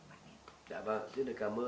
dạ vâng rất là cảm ơn